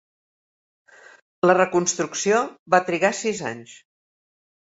La reconstrucció va trigar sis anys.